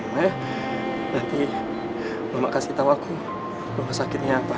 nanti mama kasih tau aku rumah sakitnya pak